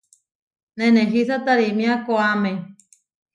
Nenehísa tarímia koʼáme.